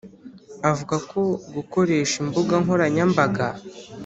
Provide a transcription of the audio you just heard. avuga ko gukoresha imbuga nkoranyambaga